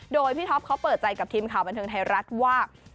โดยพี่ท็อปเขาเปิดใจกับทีมข่าวบันเทิงไทยรัฐว่า